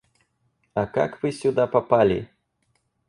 А как вы сюда попали?